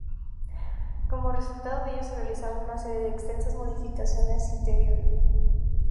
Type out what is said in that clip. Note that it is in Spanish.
Como resultado de ello se realizaron una serie de extensas modificaciones interiores.